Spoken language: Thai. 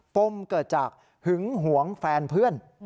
ปมเกิดจากหึงหวงแฟนเพื่อน